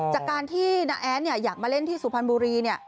จากการที่น้าแอดอยากมาเล่นที่สุพรรณบุรี